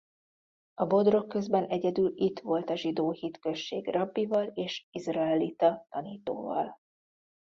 A Bodrogközben egyedül itt volt zsidó hitközség rabbival és izraelita tanítóval.